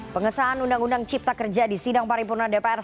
pengesahan undang undang cipta kerja di sidang paripurna dpr